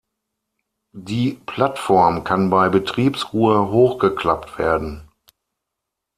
Die Plattform kann bei Betriebsruhe hochgeklappt werden.